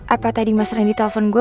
apa tadi mas randy telepon gue